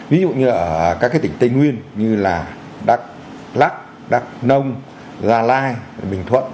ví dụ như ở các tỉnh tây nguyên như là đắk lắc đắk nông gia lai bình thuận